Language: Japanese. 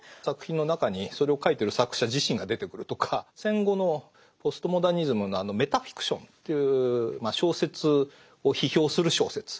作品の中にそれを書いてる作者自身が出てくるとか戦後のポストモダニズムのあのメタフィクションという小説を批評する小説